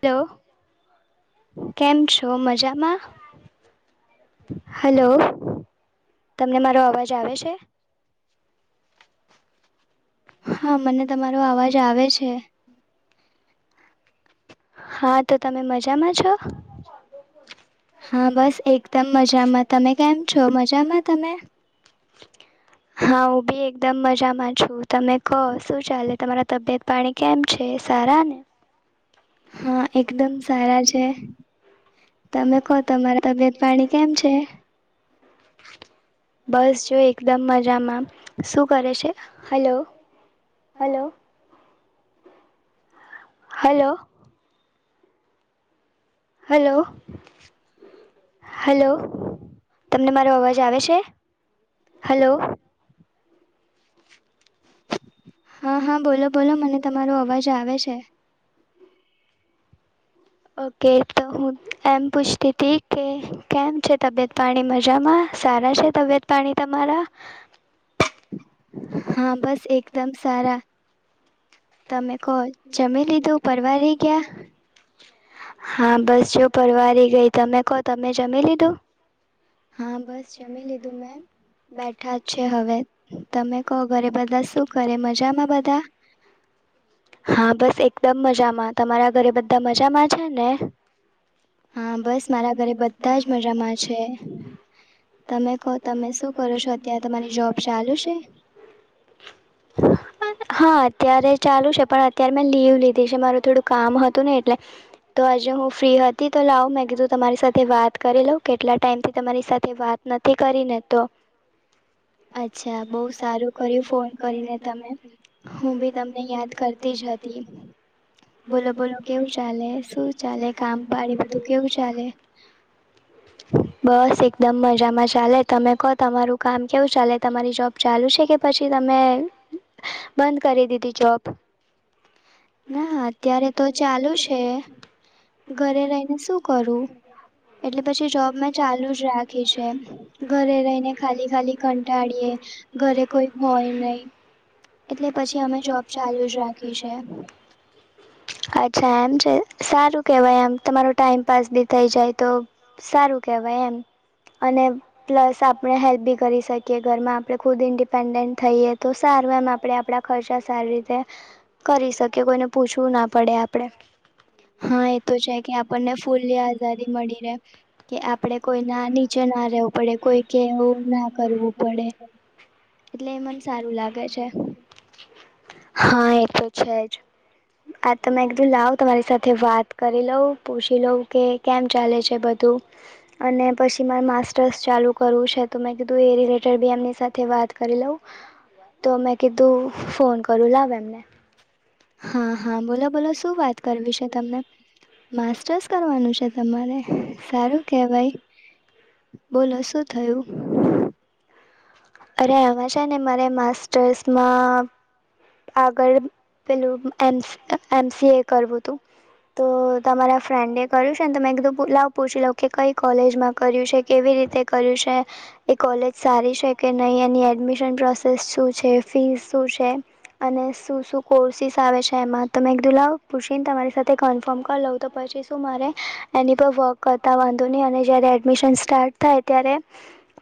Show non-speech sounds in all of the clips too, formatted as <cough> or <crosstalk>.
Hello, કેમ છો મજામાં? હલો તમને મારો અવાજ આવે છે. હા મને તમારો અવાજ આવે છે. હા તો તમે મજામાં છો? હા બસ એકદમ મજામાં તમે કેમ છો મજામાં તમે <inaudible> હા હું બી એકદમ મજામાં છું. તમે કહો શું ચાલે તમારા તબિયત પાણી કેમ છે? સારા હા એકદમ સારા છે. તમે કહો તમારા તબિયત પાણી કેમ છે? બસ જોય એકદમ મજામાં શું કરે છે? Hello. Hello. Hello. Hello hello. તમને મારો અવાજ આવે છે? હલો. હા હા બોલો બોલો મને તમારો અવાજ આવે છે. ઓકે તો હું એમ પૂછતી હતી કે કેમ છે તબિયત પાણી મજામાં? સારા છે તબિયત પાણી તમારા. હા બસ એકદમ સારા. તમે કોહ જમી લીધું પરવારીહી ગયા. હા બસ જો પરવારી ગઈ તમે કહો તમે જમી લીધું. હા બસ જમી લીધું મેં બેઠા જ છે હવે તમે કહો ઘરે બધા શું ઘરે મજામાં બઘા? હા બસ એકદમ મજામાં. તમારા ઘરે બધા મજામાં છે ને? હા બસ મારા ઘરે બધા જ મજામાં છે. તમે કહો તમે શું કરો છો અત્યારે તમારી જોબ ચાલુ છે? હા. અત્યારે ચાલુ છે પણ અત્યારે મેં લીવ લીધી છે મારું થોડું કામ હતું ને એટલે. તો આજે હું ફ્રી હત થી તો લાવ મેં કીધું તમારી સાથે વાત કરી લઉં કેટલા ટાઈમથી તમારી સાથે વાત નથી કરીને તો. <inaudible> અચ્છા બહુ સારું કર્યું ફોન કરીને તમે. હું બી તમને યાદ કરતી જ હતી. બોલો બોલો કેવું ચાલે શું ચાલે કામ પાડી બધું કેવું ચાલે? <inaudible> બસ એકદમ મજામાં ચાલે તમે કહો તમારું કામ કેવું ચાલે તમારી જોબ ચાલુ છે કે પછી તમે મે બંધ કરી દીધી જોબ ના અત્યારે તો ચાલુ છે ઘરે રહીને શું કરું એટલે પછી જોબ મેં ચાલુ જ રાખી છે ઘરે રહીને ખાલી ખાલી કંટાળીયે ઘરે કોઈ હોય નહિ એટલે પછી અમે જોબ ચાલુ જ રાખ્યું છે. અચ્છા એમ છે સારું કેવાય એમ તમારો ટાઈમપાસ બીતાઇ જાય તો સારું કેવાય એમ અને પ્લસ આપણે હેલ્પ બી કરી શકીએ ઘરમાં આપડણે ખુદ ઇન્ડિપેન્ડન્ટ થઈએ તો સારું એમ આપ આપણે આપણા ખર્ચા સારી રીતે કરી શકીએ કોઈને પૂછવું ના પડે આપડે હા એ તો છે કે આપણને ફૂલ્લી આઝાદી મળી રહે કે આપડે કોઈ ના નીચે ના રહે વુ પડે કોઈ કેવું ના કરવું પડે એટલે એ મને સારું લાગે છે. હા એ તો છે જ આ તમે કીધું લાવ તમારી સાથે વાત કરી લઉં પૂછી લઉં કે કેમ ચાલે છે બધું અને પછી મા માસ ચાલુ કરવું છે તો મેં કીધું એ રિલેટેડ બી એમની સાથે વાત કરી લઉ તો મે કેધું ફોન કરું લાવા એમને હા હા બોલો બોલો શું વાત કરવી છે તમને માસ્ટર્સ કરવાનું છે તમારે સારું કેવાય <inaudible> બોલો શું થયું અરે એમાં છે ને મારે માસ્ટર્સમાં આગળ પેલું એમસીએ કરવું તું તો તમારા ફ્રેન્ડે કર્યું છે ને તો મેં એકદ લાવ પૂછી લઉં કે કઈ કોલેજમાં કર્યું છે કેવી રીતે કર્યું છે. એ કોલેજ સારી છે કે નહીં એની એડમિશન પ્રોસેસ શું છે ફીસ શું છે. અને શું શું કોર્સિસ આવે છે એમાં ત મે કીધું લાવ પુસીન તમારી સાથે કન્ફર્મ કર લઉ તો પછી શું મારે એની પર વોક કરતા વાંધ ની અને જયારે એડમિશનશન સ્ટાર્ટ થાય ત્યારે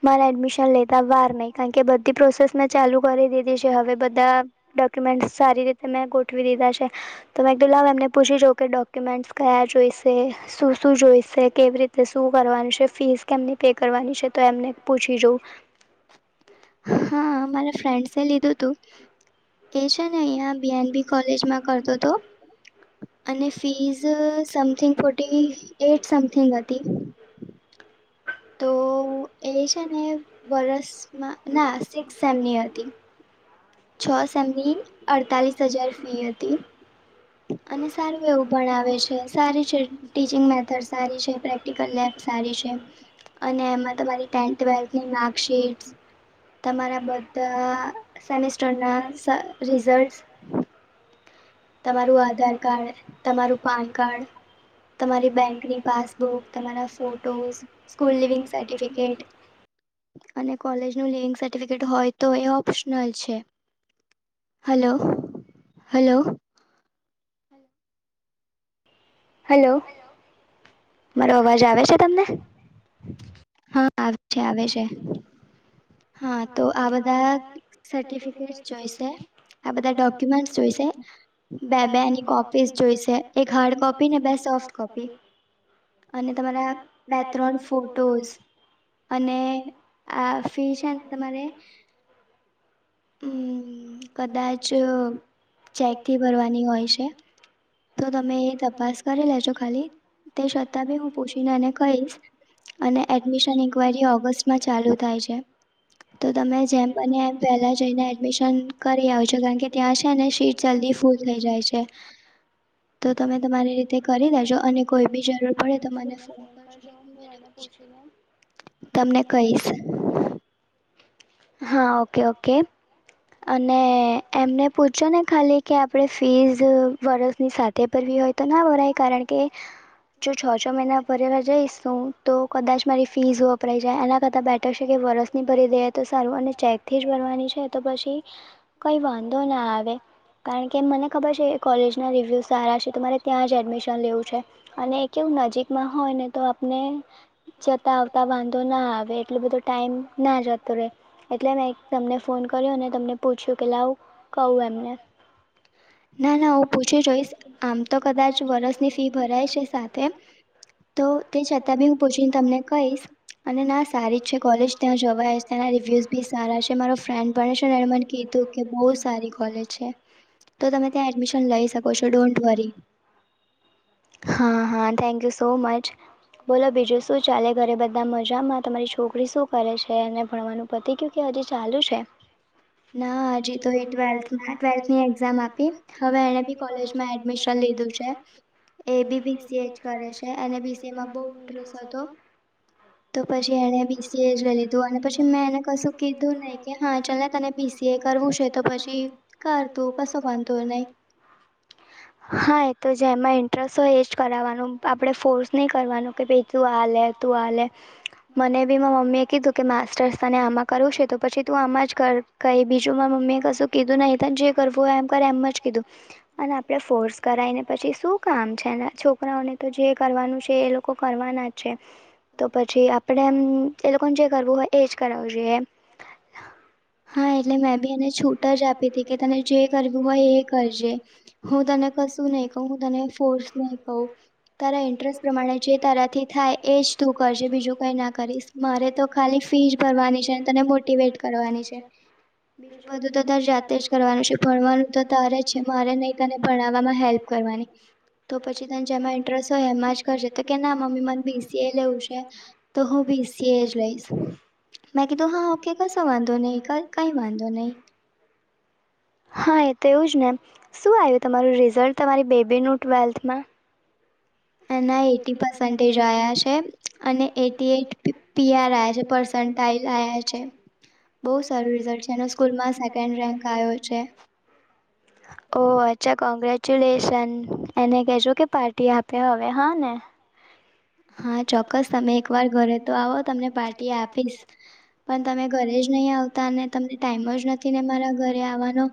મારા એડમિશન લેતા વાર કારણ કે બધી પ્રોસેસ મે ચાલુ કરી દીધી છે હવે બધા ડોક્યુમેન્ટ સારી રીતે મેં ગોઠવી દીધા છે. તો મેં કીધું લાવ એમને પૂછી જાઉં કે ડોક્યુમેન્ટ્સ કયા જોઈશે શું શું જોઈશે કેવી રીતે શું ભરવાનું છે ફીસ કેમની પે કરવાની છે તો એમને પૂછી જઉ હા મારા ફ્રેન્ડ લીધું હતું એ છે ને અહિયાં બી એન બી કોલેજમાં કરતો તો અને fees something forty eight something હતી <inaudible> તો તો એ છે ને વર્ષમાં ના સિક્સ સેમની હતી છ સેમની અડતાલીસ હજાર ફી હતી અને સારું એવું ભણાવે છે સારી છે ટીચિંગ મેથડ સારી છે પ્રેક્ટિકલ લેબ સારી છે અને એમાં તમારી ટેન ટવેલ્થની માર્કશીટ તમારા બધા સેમેસ્ટર ના રિઝલ્ટ તમારું આધાર કાર્ડ તમારું પાન કાર્ડ તમારી બેંકની પાસબુક તમારા ફોટો સ્કૂલ લિવિંગ સર્ટિફિકેટ <inaudible> અને કોલેજનુ લિવિંગ સર્ટિફિકેટ હોય તો એ ઓપ્શનલ છે. હલો હલો હેલો મારો અવાજ આવે છે તમને હછ છેે હા તો આ બધા સર્ટિફિકેટ જોઈશે આ બધા ડોક્યુમેન્ટ જોઈશે બે બે એની કોપીસ જોઈશે એક હાર્ડ કોપી ને બે સોફ્ટ કોપી અને તમારા બે ત્રણ ફોટોઝ અને આ ફી છે તમારે <inaudible> કદાચ ચેકથી ભરવાની હોય છે. તો તમે એ તપાસ કરી લેજો ખાલી તે છતાં બી હું પૂછીને એને કહીશઃ અને એ મીસન ઈકવારી ઓગસ્ટમાં ચાલુ થાય છે. તો તમે જેમ એ પેલા જ એના એડમિશન કરી આવ છે કારણ કે ત્યાં છે ને સીટ જલ્દી ફૂલ થઈ જાય છે. તો તમે તમારી રીતે કરી દેજો અને કોઈ બી જરૂર પડે તો મને ફોન કરજો <inaudible> તમને કહીશ હા ઓકે ઓકે અને એમને પૂછો ને ખાલી કે આપણે ફીઝ વર્ષની સાથે ભરવી હોય તો તો ના હો ર કારણ કે જો છ છ મહિના ભરેવા જઈશું તો કદાચ મારી ફીસ વપરાઈ જાય એના કરતા બેઠર છે કે વરસ ની ભરી દેએ તો સારું અને ચેક થી જ ભરવાની છે. તો પછી કઈ વાંધો ના આવે કારણ કે મને ખબર છે કોલેજ ના રિવ્યુ સારા છે તમારે ત્યાં જ એડમિશન લેવું છે અને કેવું નજીકમાં હોય ને તો આપને જતા આવતા વાંધો ના આવે એટલો બધો ટાઈમ ના જતો રહે એટલે મેં તમને ફોન કર્યો અને તમને પૂછ્યું કે લાવું કહું એમને ના ના હું પૂછી જોઈશ આમ તો કદાચ વરષની ફી ભરાય છે સાથે તો તે છતાં બી હું પૂછીને તમને કહીશ અને ના સારી જ છે કોલેજ ત્યાં જવા જ ત્યાં રિવ્યુઝ બી સારા છે મારો ફ્રેન્ડ ભને છે એ મને કીધું કે બહુ સારી કોલેજ છે તો તમે ત્યાં એડમિશન લઈ શકો છો ડોન્ટ વરી હા હા થેન્ક યુ સો મચ બોલો બીજું શું ચાલે ઘરે બધા મજામાં તમારી છોકરી શું કરે છે અનેને ભણવાનું પતિ ક હજી ચાલુ છે. ના હજી તો એ ટ્વેલ્થમાં ટ્વેલ્થની એક્ઝામ આપી હવે એને બી કોલેજમાં એડમિશન પણ લીધું છે. એ બીબીસીએ જ કરે છે અને બીસીમાં બહ ઇન્ટસ હતો. તો પછી એને બીસીએ જ લઈ લીધું અને પછી મેં એને કશું કીધું નહી કે હા ચાલ ને તને બીસીએ કરવું છે તો પછી કર તું કશું વાંધતું ન હા હ એ તો જે એમાં ઇન્ટરેસ્ટ હોય એ જ કરાવવાનું આપણે ફોર્સ નહીં કરવાનું કે ભાઈ તું આ લે તું આા લે મને બી મમ્મી એ કીધું કે માસ્ટર્સ તને આમાં કરવું છે તો પછી તું આમાં જ કઈ બીજું મારા મમ્ી એ કશું કીધું નહીિ તને જે કરવું હોય એમ કરે એમ જ કીધું. અને આપડે ફોર્સ કરાયને પછી શું કામ છે છોકરાઓને તો જે કરવાનું છે એ લોકો કરવાના જ છે. તો પછી આપણેે એમ એ લોકોને જે કરવું હોય એજ કરાવું જોઈએ હા એટલે મેં બી એને છૂટ જ આપી હતી કે તને જે કરવીું હોય એ કરજે હું તને કશું નહીિ કહ હું તને ન તારા ઇન્ટરેસ્ટ પ્રમાણે જે તારાથી થાય એજ તું કરજે બીજું કઈ ના કરીશ મારે તો ખાલી ફીસ ભરવાની છે તને મોટવેટ કરવાની છે બીજું બાધુ તો જાતે જ કરવાનું છે ભણવાનું તો તારે જ છે મારે નહીં તને ભણાવવામાં હેલ્પ કરવાની તો પછી તને જેમાં ઇન્ટરેસ્ટ હોય એમાં જ કરશે તો કે ના મમ્મી મને બીસીએ લેવું છે તો હું <unintelligible> મે કીધું હા હા ઓકે કસો વાંધો નહી. ક કઈ વાંધો નહી. <inaudible> હા એ તો એવું જ. ને શું આવ્યું તમાર રિઝલ્ટ તમારી બેબીનું ટ્વેલ્થમાં? <inaudible> એના એટી પર્સન્ટેજ આવ્યા છે. અને એટી એટ પી પીઆર છે પર્સેન્ટાઇ ટાઇલ આયા છે. બહુ સારું રિઝલ્ટ છે એનું સ્કૂલ મા સારા ઓ અ ચ્છા કોંગ્રેચ્યુલેશન એને કજો કે પાર્ટી આપે હવે હા ને હા ચોક્કસ તમે એકવાર ઘરે તો આવો તમને પાર્ટી આપીશ પણ તમે ઘરે જ નહી આવતા તમને ટાઈમ જ નથી ને મારા ઘરે આવવાનો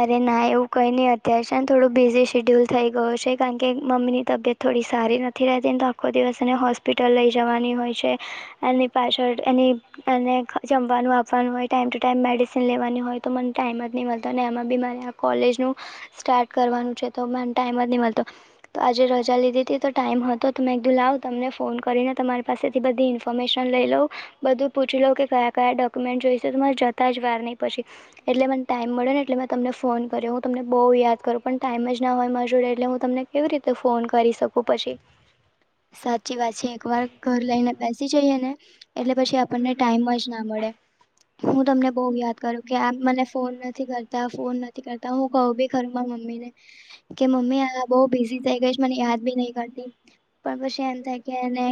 અરે ના એવું કોઈ ની અત્યારે છે થોડું બિઝી શિડ્યુલ થઈ ગયો છે કારણ કે મમ્મીની તિયત થોડી સારી નથી રહે તેન તો આખો દિવસ એને હોસ્પિટલ લઈ જવાની હોય છે એની પાછળ એની એને ખ જમવાનું આપવાનું હોય ટાઈમ ટુ ટાઈમ મેડિસિન લેવાની હોય તો મન ટાઈમ જ નહીં મળતો એમાં બી મારે આ કોલેજનું સ્ટાર્ટ કરવાનું છે તો મને ટાઈમ જ નહી મળતો તો આજે રજા લીધી તી તો ટાઈમ હતો મે કીધુ લાવ તમને ફોન કરીને તમારી પાસેથી બધી ઇન્ફોર્મેશન લઈ લોઉ. બધું પૂછી લો કે કયા કયા ડોક્યુમેન્ટ જોઈશે મારે જતા જ વાર ની પછી એટલે મન ટાઈમ મળ્યો ને એટલે મેં તમને ફોન કર્યો હું તમને બહુ યાદ કરું પણ ટાઈમ જ ના હોય મા જોડે એટલે હું તમને કેવી રીતે ફોન કરી શકું પછ <inaudible> સાચી વાત છે એક વાર ઘર લઈને બેસી જઈએ ને એટલે પછી આપણને ટાઈમ જ ના મળે હું તમને બઉ યાદ કરું કે આ મને ફોન નથી કરતા ફોન નથી કરતા હું કઉ બી ઘરમાં મમ્મીને કે મમ્મી આ બઉ બિઝી થઈ ગઈશ મને યાદ બી નહી કરતી પણ પછી એમ થાય કે એને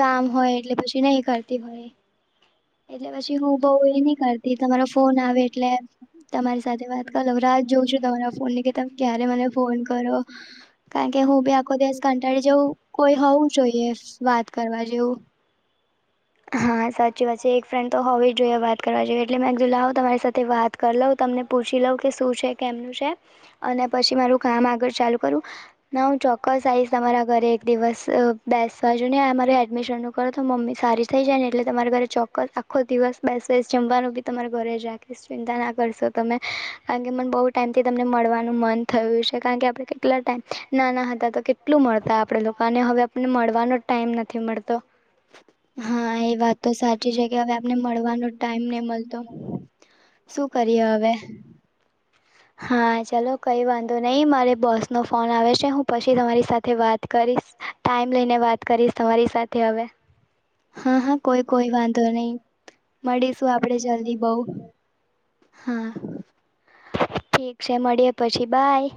કામ હોય એટલે પછી નઈ કરતી હોય એટલે પછી હું બઉ એ ની કરતી તમારો ફોન આવે એટલે તમારી સાથે વાત કર લઉ રા રાહ જોઉં છું તમારા ફોનની કે તમે ક્યારે મને ફોન કરો કારણ કે હું બી આખો દિવસ કંટાળી જઉં કોઈ હોવું જોઈએ વાત કરવા જેવું હા. હા સાચી વાત છે. એક ફ્રેન્ડ તો હોવી જ જોઈએ વાત કરવા જોઈએ એટલે મેજુ લો તમારી સાથે વાત કરી લઉ તમને પૂરી પૂછી કે શું છે કેમનું છે? અને પછી મારું કામ આગળ ચાલુ કરું ના હું ચોક્કસ આવીશ તમારા ઘરે દિવસ બેસવા જોને મારે એડમિશનનું કરો તો મમ્મી સારી થઈ જાય ને એટલે તમારે ઘરે ચોક્કસ આખો દિવસ બેસ વસ જમવાનો બી તમારે ઘરે જ બસ ચિંતા ના કરશો તમે કારણ કે મને બહુ ટાઈમથી તમને મળવા નું મન થયું છે કારણ કે આપણે કેટલા ટમ નાના હતા તો કેટલું મળતા ને હવે આપને મળવાનો ટાઈમ નથી મળતો. હા એ વાત તો સાચી છે કે હવે આપને મળવાનો ટાઈમ નહી મળતો. શું કરીએ હવે? હા ચલો કઈ વાંધો નહીં મારે બોસ નો ફોન આવે છે હું પછી તમારી સાથે વાત કર ટાઈમ લઈને વાત કરીશ તમારી સાથે હવે. હા હા! કોઈ કોઈ વાંધો નહી મળીશું આપડે જલ્દી બહઉ. હા. ઠીક છે મળીએ પછી બાય.